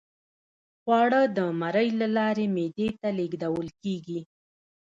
خواړه د مرۍ له لارې معدې ته لیږدول کیږي